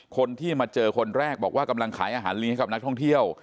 คนที่มาเจอคนแรกบอกว่ากำลังขายอาหารลีให้กับนักท่องเที่ยว